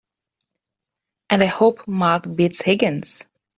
And I hope Mark beats Higgins!